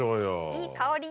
いい香り。